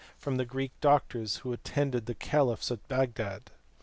151 the Greek doctors who attended the caliphs at Bagdad.